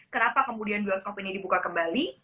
kenapa kemudian bioskop ini dibuka kembali